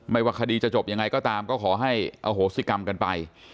ว่าคดีจะจบยังไงก็ตามก็ขอให้อโหสิกรรมกันไป